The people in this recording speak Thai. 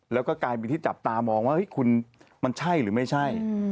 แล้วก็กลายเป็นที่จับตามองว่าคุณมันใช่หรือไม่ใช่